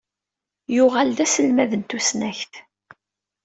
Yuɣal d aselmad n tusnakt.